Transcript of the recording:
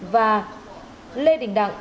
và lê đình đặng